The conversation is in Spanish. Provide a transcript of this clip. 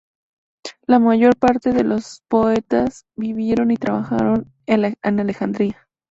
La mayor parte de los poetas vivieron y trabajaron en Alejandría.